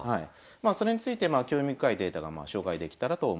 それについて興味深いデータがまあ紹介できたらと思います。